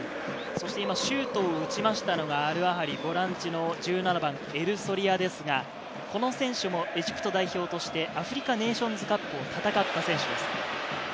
シュートを打ちましたのがアルアハリ、ボランチの１７番・エルソリアですが、この選手もエジプト代表としてアフリカネイションズカップを戦った選手です。